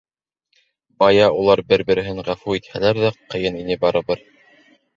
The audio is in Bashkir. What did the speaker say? Бая улар бер-береһен ғәфү итһәләр ҙә, ҡыйын ине барыбер.